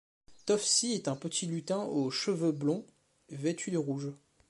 Tofffsy est un petit lutin aux cheveux blonds, vêtu de rouge.